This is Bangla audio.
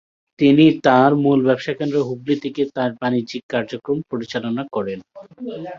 তিনি তাঁর মূল ব্যবসাকেন্দ্র হুগলি থেকে তাঁর বাণিজ্যিক কার্যক্রম পরিচালনা করেন।